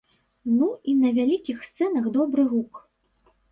Ну, і на вялікіх сцэнах добры гук.